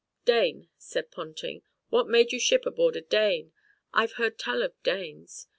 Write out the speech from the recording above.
"Dane," said Ponting, "what made you ship a'board a Dane I've heard tell of Danes.